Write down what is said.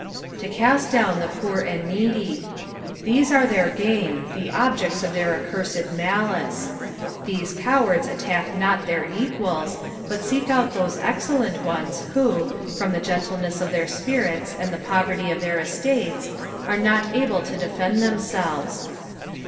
" To eatt down the peer and needy," These ore their game, the objects of their accuraed malice. These cowoida attack not their equals, but seek out those excellent ones who, from the gcntlenefs of their spirits and the poverty of their estates, are not able to defend themselves.